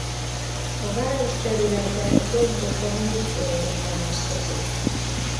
A város területe dombokon és völgyeken osztozik.